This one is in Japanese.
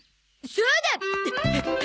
そうだ！